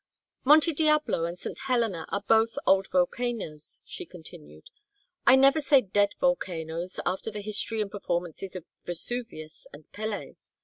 "Monte Diablo and St. Helena are both old volcanoes," she continued. "I never say dead volcanoes after the history and performances of Vesuvius and Pelée.